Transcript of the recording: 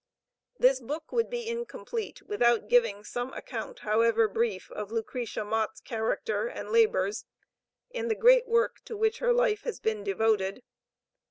This book would be incomplete without giving some account, however brief, of Lucretia Mott's character and labors in the great work to which her life has been devoted.